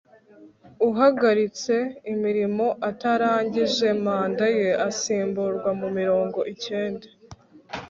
uhagaritse imirimo atarangije manda ye asimburwa mu mirongo icyenda